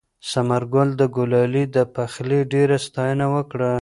ثمرګل د ګلالۍ د پخلي ډېره ستاینه وکړه.